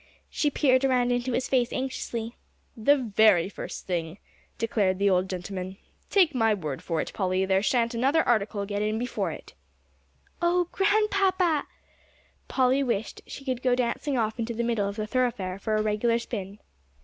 She peered around into his face anxiously. "The very first thing," declared the old gentleman. "Take my word for it, Polly Pepper, there sha'n't another article get in before it." "Oh, Grandpapa!" Polly wished she could go dancing off into the middle of the thoroughfare for a regular spin.